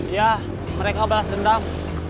iya mereka balas dendam